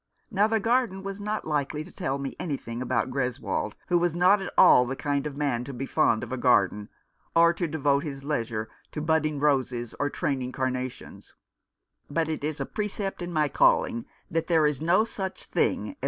Now, the garden was not likely to tell me anything about Greswold, who was not at all the kind of man to be fond of a garden, or to devote his leisure to budding roses or training carnations ; but it is a precept in my calling that there is no such thing as